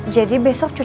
jadi besok cu